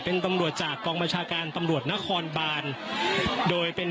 เป็นตำรวจจากกองบัญชาการตำรวจนครบานโดยเป็น